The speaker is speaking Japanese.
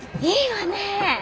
いいわね！